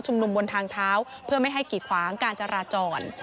นุมบนทางเท้าเพื่อไม่ให้กีดขวางการจราจร